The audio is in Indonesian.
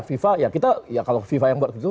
fifa ya kita ya kalau fifa yang buat begitu